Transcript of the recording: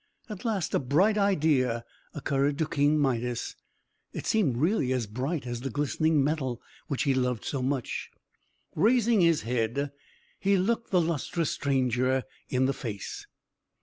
At last, a bright idea occurred to King Midas. It seemed really as bright as the glistening metal which he loved so much. Raising his head, he looked the lustrous stranger in the face.